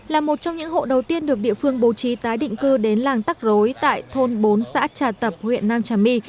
là một trong những hộ đầu tiên được địa phương bố trí tái định cư đến làng tắc rối tại thôn bốn xã trà tập huyện nam trà my